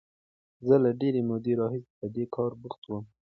زه له ډېرې مودې راهیسې په دې کار بوخت وم.